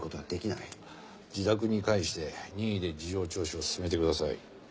自宅に帰して任意で事情聴取を進めてください。